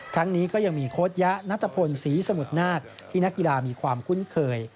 ทั้งนี้ก็ยังมีโค้ดยะนัทพลศรีสมุทรนาคที่นักกีฬามีความคุ้นเคย